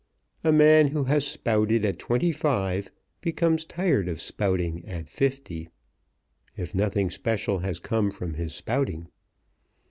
A man who has spouted at twenty five becomes tired of spouting at fifty, if nothing special has come from his spouting.